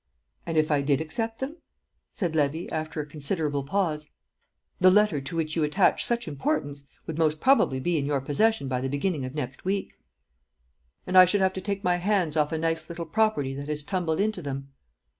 "And if I did accept them?" said Levy, after a considerable pause. "The letter to which you attach such importance would most probably be in your possession by the beginning of next week." "And I should have to take my hands off a nice little property that has tumbled into them?"